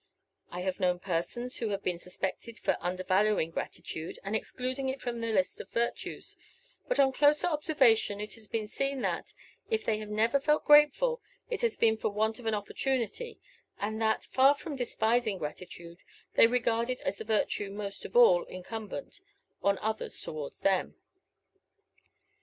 I have known persons who have been suspected of under valuing gratitude, and excluding it from the list of virtues; but on closer observation it has been seen that, if they have never felt grateful, it has been for want of an opportunity; and that, far from despising gratitude, they regard it as the virtue most of all incumbent on others toward them.